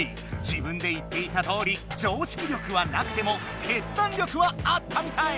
自分で言っていたとおり常識力はなくても決断力はあったみたい！